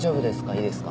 いいですか？